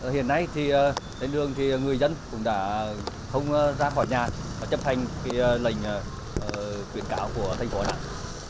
hiện nay đến lương người dân cũng đã không ra khỏi nhà và chấp hành lệnh quyền cao của thành phố đà nẵng